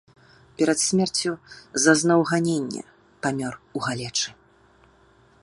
Перад смерцю зазнаў ганенне, памёр у галечы.